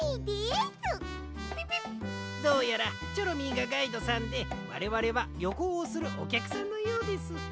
ピピッどうやらチョロミーがガイドさんでわれわれはりょこうをするおきゃくさんのようです。